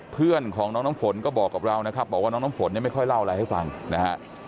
เพื่อนของน้องน้ำฝนก็บอกกับเรานะครับบอกว่าน้องน้ำฝนเนี่ยไม่ค่อยเล่าอะไรให้ฟังนะฮะ